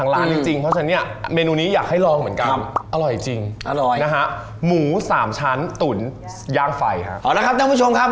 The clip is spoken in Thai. อร่อยจริงอร่อยนะฮะหมูสามชั้นตุ๋นย่างไฟฮะเอาล่ะครับท่านผู้ชมครับ